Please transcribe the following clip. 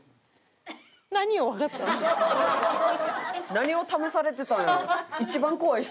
何を試されてたんやろう？